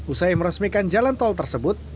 usai meresmikan jalan tol tersebut